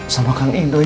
sama kank indoi